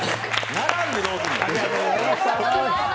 並んでどうすんのよ。